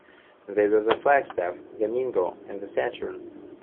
They were the Flagstaff, the Mingo, and the Saturn.